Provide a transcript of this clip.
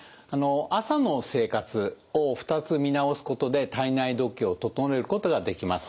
朝の生活を２つ見直すことで体内時計を整えることができます。